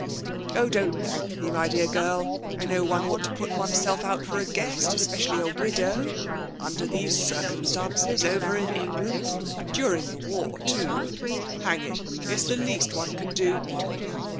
Oh, don't thank me, my dear girl; I know one ought to put oneself out for a guest, especially a widow ... under these circumstances over in England ... during the war too ... hang it, it's the least one can do.'...